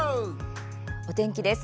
お天気です。